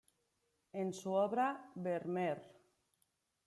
En su obra "Vermeer.